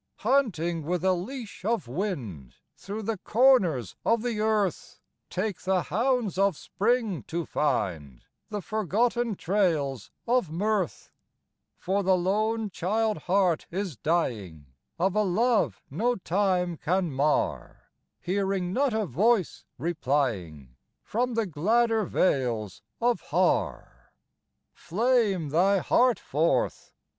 "Hunting with a leash of wind Through the corners of the earth, Take the hounds of Spring to find The forgotten trails of mirth; "For the lone child heart is dying Of a love no time can mar, Hearing not a voice replying From the gladder vales of Har. "Flame thy heart forth!